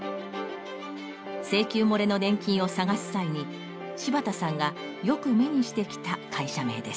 請求もれの年金を探す際に柴田さんがよく目にしてきた会社名です。